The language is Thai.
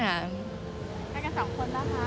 ไปกัน๒คนป่ะคะ